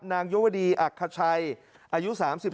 นางโยวดีอักษัยอายุ๓๓